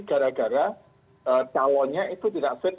gara gara calonnya itu tidak fit